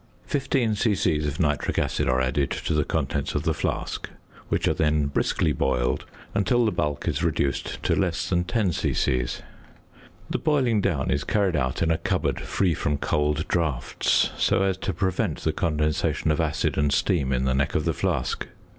Fifteen c.c. of nitric acid are added to the contents of the flask, which are then briskly boiled until the bulk is reduced to less than 10 c.c. The boiling down is carried out in a cupboard free from cold draughts, so as to prevent the condensation of acid and steam in the neck of the flask.